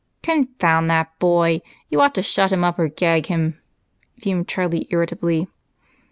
"Confound that boy! You ought to shut him up or gag him!" fumed Charlie irritably.